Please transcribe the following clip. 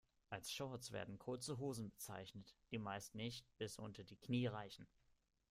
Als Shorts werden kurze Hosen bezeichnet, die meist nicht bis unter die Knie reichen.